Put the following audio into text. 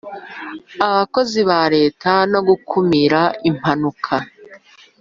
abakozi ba Leta no gukumira impanuka